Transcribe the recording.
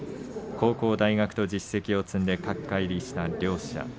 高校、大学と実績を積んで角界入りした両者。